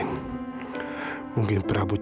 apa kamu gak rindu sama dia